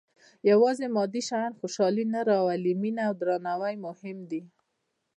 • یوازې مادي شیان خوشالي نه راوړي، مینه او درناوی مهم دي.